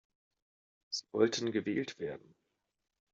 Sie wollten gewählt werden.